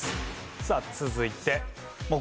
さあ続いて。